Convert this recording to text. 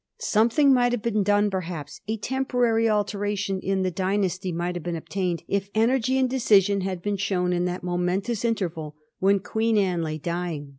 Something might have been done perhaps, ia temporary alteration in the dynasty might have been obtained, if energy and decision had been shown in that momentous interval when Queen Anne lay •dying.